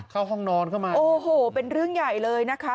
ห้องนอนเข้ามาโอ้โหเป็นเรื่องใหญ่เลยนะคะ